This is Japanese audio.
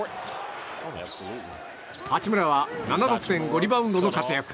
八村は７得点５リバウンドの活躍。